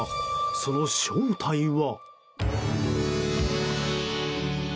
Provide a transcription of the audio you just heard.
その正体は。